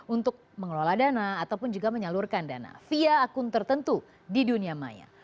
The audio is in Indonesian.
untuk mengelola dana ataupun juga menyalurkan dana via akun tertentu di dunia maya